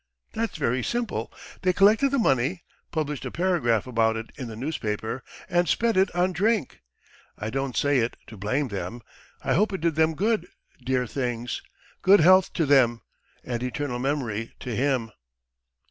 That's very simple. They collected the money, published a paragraph about it in the newspaper, and spent it on drink. ... I don't say it to blame them. ... I hope it did them good, dear things! Good health to them, and eternal memory to him."